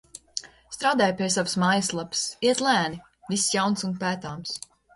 Strādāju pie savas mājaslapas, iet lēni, viss jauns un pētāms.